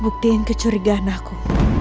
buktiin kecurigaan aku